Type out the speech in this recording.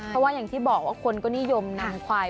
เพราะว่าอย่างที่บอกว่าคนก็นิยมนำควาย